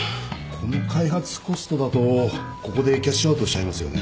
この開発コストだとここでキャッシュアウトしちゃいますよね。